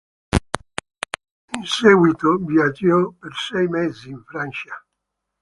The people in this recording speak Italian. In seguito viaggiò per sei mesi in Francia.